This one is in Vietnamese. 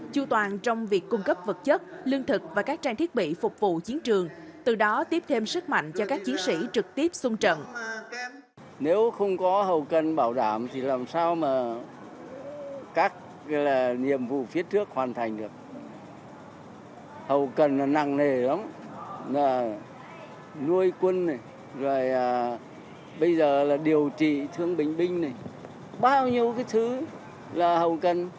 chu toàn trong việc cung cấp vật chất lương thực và các trang thiết bị phục vụ chiến trường từ đó tiếp thêm sức mạnh cho các chiến sĩ trực tiếp sung trận